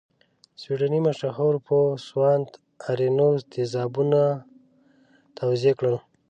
سویډنۍ مشهور پوه سوانت ارینوس تیزابونه توضیح کړل.